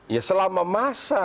ya selama masa